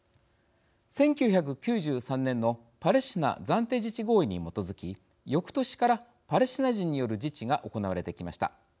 １９９３年のパレスチナ暫定自治合意に基づきよくとしからパレスチナ人による自治が行われてきました。